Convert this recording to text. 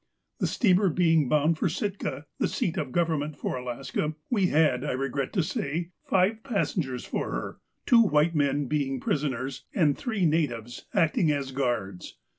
" The steamer being bound for Sitka, the seat of govern ment for Alaska, we had, I regret to say, five passengers for her, — two white men, being prisoners, and three natives acting as guards.